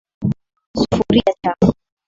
Sufuria chafu.